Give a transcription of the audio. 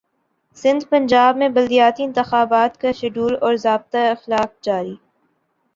سندھپنجاب میں بلدیاتی انتخابات کاشیڈول اور ضابطہ اخلاق جاری